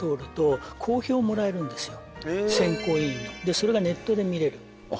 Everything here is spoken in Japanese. それがネットで見れる。